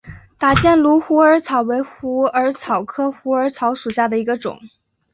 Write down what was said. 打箭炉虎耳草为虎耳草科虎耳草属下的一个种。